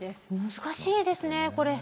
難しいですねこれ。